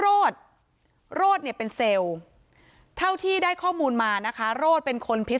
รถโรดเนี่ยเป็นเท่าที่ได้ข้อมูลมาโรดเป็นคนผิด